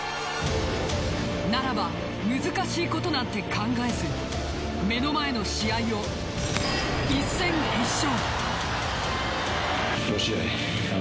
ならば難しいことなんて考えず目の前の試合を一戦必勝。